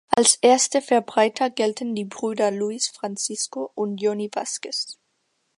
Als erste Verbreiter gelten die Brüder Luis, Francisco und Johnny Vazquez.